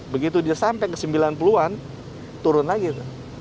begitu dia sampai ke sembilan puluh an turun lagi itu